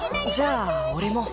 じゃあ俺も。